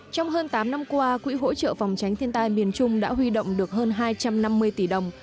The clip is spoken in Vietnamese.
trong hơn tám năm qua quỹ hỗ trợ phòng tránh thiên tai miền trung đã huy động được hơn hai trăm năm mươi tỷ đồng